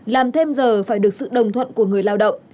làm thêm giờ phải được sự đồng thuận của người lao động